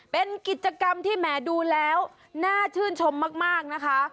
เป็นกิจกรรมที่แหมดูแล้วน่าชื่นชมมากนะคะ